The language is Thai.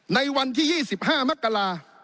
ในวันที่๒๕มกรา